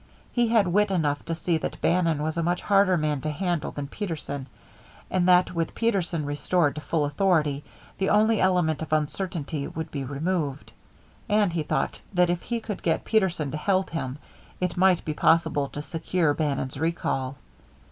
He had wit enough to see that Bannon was a much harder man to handle than Peterson, and that with Peterson restored to full authority, the only element of uncertainty would be removed. And he thought that if he could get Peterson to help him it might be possible to secure Bannon's recall.